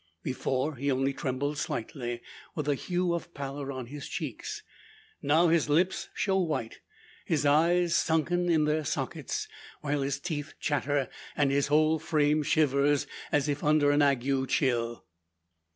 Before, he only trembled slightly, with a hue of pallor on his cheeks. Now his lips show white, his eyes sunken in their sockets, while his teeth chatter and his whole frame shivers as if under an ague chill!